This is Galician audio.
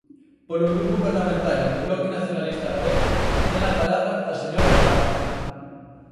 Polo Grupo Parlamentario do Bloque Nacionalista Galego, ten a palabra a señora Caamaño.